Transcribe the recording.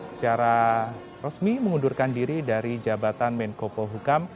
secara resmi mengundurkan diri dari jabatan menko pohukam